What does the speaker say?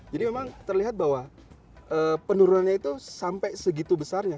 jadi memang terlihat bahwa penurunannya itu sampai segitu besarnya